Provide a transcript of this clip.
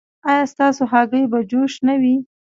ایا ستاسو هګۍ به جوش نه وي؟